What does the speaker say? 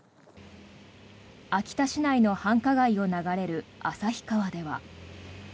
秋田市内の繁華街を流れる旭川では。